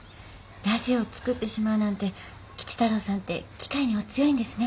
ラジオを作ってしまうなんて吉太郎さんって機械にお強いんですね。